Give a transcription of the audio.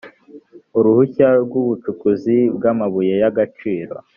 uruhushya rw’ubucukuzi bw’amabuye y’agaciro